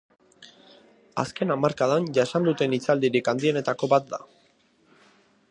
Azken hamarkadan jasan duten itzalaldirik handienetako bat da.